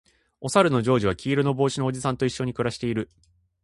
おさるのジョージは黄色の帽子のおじさんと一緒に暮らしている